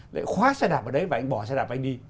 lại khóa xe đạp ở đấy và anh bỏ xe đạp anh đi